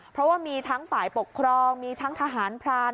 เพราะว่ามีทั้งฝ่ายปกครองมีทั้งทหารพราน